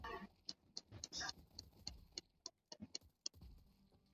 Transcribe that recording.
Mbinguni kuna malaika